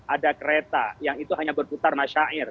ada kereta yang itu hanya berputar masyair